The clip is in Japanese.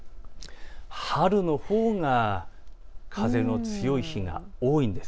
春のほうが風の強い日が多いんです。